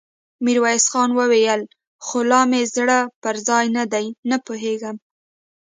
ميرويس خان وويل: خو لا مې زړه پر ځای نه دی، نه پوهېږم!